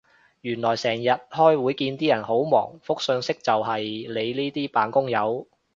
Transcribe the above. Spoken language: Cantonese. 原來成日開會見啲人好忙覆訊息就係你呢啲扮工友